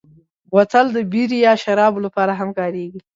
بوتل د بیر یا شرابو لپاره هم کارېږي.